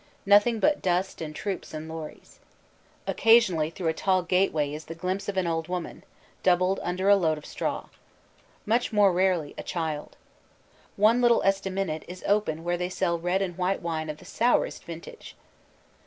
Nothing but dust and troops and lorries. Occasionally through a tall gate way is the glimpse of an old woman, doubled under a load of straw. Much more rarely a child. One little estaminet is open where they sell red and white wine of the sourest vintage.